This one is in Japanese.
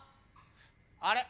あれ？